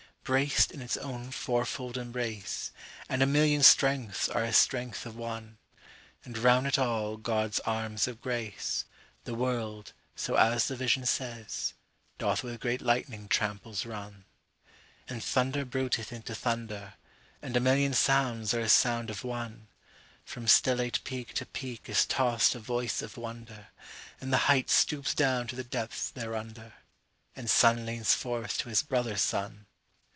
38Braced in its own fourfold embrace39(And a million strengths are as strength of one)40And round it all God's arms of grace,41The world, so as the Vision says,42Doth with great lightning tramples run.43And thunder bruiteth into thunder,44(And a million sounds are as sound of one)45From stellate peak to peak is tossed a voice of wonder,46And the height stoops down to the depths thereunder,47And sun leans forth to his brother sun.